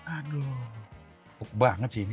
aduh puk banget sih ini